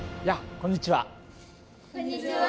こんにちは。